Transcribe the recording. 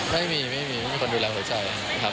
ไม่มีไม่มีคนดูแลหัวใจครับ